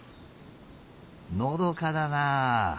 のどかだなあ。